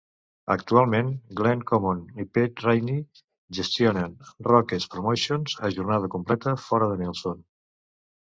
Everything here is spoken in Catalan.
Actualment, Glenn Common i Pete Rainey gestionen Rockquest Promotions a jornada completa fora de Nelson.